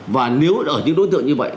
và nếu ở những đối tượng như vậy